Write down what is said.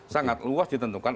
sangat luas ditentukan